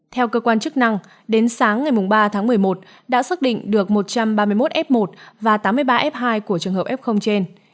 theo cơ quan chức năng đến sáng ngày ba tháng một mươi một đã xác định được một trăm ba mươi một f một và tám mươi ba f hai của trường hợp f trên